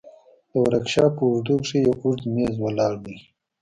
د ورکشاپ په اوږدو کښې يو اوږد مېز ولاړ دى.